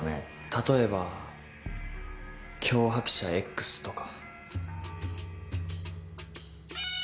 例えば脅迫者Ｘとか。